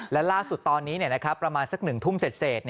และล่าสุดตอนนี้ประมาณสัก๑ทุ่มเสร็จ